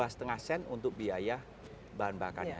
dua lima sen untuk biaya bahan bakarnya